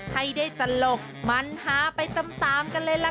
ให้ได้ตลกมันฮาไปตามกันเลยล่ะค่ะ